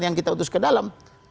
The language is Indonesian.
yang kita utus ke dalam